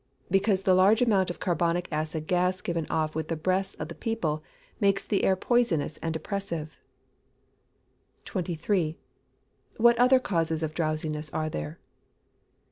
_ Because the large amount of carbonic acid gas given off with the breaths of the people, makes the air poisonous and oppressive. 23. _What other causes of drowsiness are there?